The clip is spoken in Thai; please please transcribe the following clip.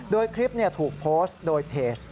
โดยคลิปถูกโพสต์โดยเพจ